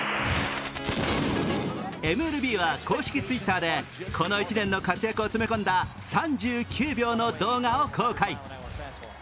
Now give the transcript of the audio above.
ＭＬＢは公式Ｔｗｉｔｔｅｒでこの１年の活躍を詰め込んだ３９秒の動画を公開。